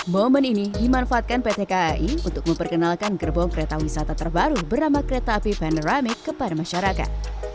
momen ini dimanfaatkan pt kai untuk memperkenalkan gerbong kereta wisata terbaru bernama kereta api panoramik kepada masyarakat